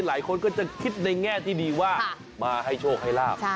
หลายคนก็จะคิดในแง่ที่ดีว่ามาให้โชคให้ลาบ